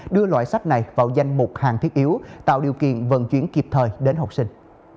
đưa loại sách này vào danh mục hàng thiết yếu tạo điều kiện vận chuyển kịp thời đến học sinh